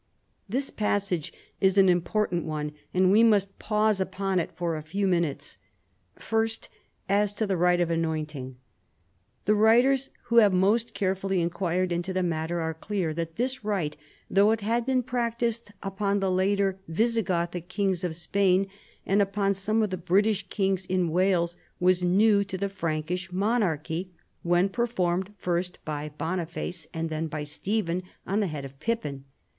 This passage is an important one, and we must pause upon it for a few minutes. First, as to the rite of anointing. The writers who have most carefully inquired into the matter, are clear that this rite, though it had been practised upon the later Visigothic kings of Spain, and upon some of the British kings in Wales, was new to the Prankish monarchy, when performed first by Bon iface and then by Stephen on the head of Pippin.